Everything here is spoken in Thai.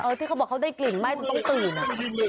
ที่เขาบอกเขาได้กลิ่นไหม้จนต้องตื่นอ่ะ